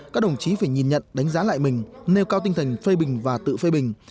các đồng chí phải nhìn nhận đánh giá lại mình nêu cao tinh thần phê bình và tự phê bình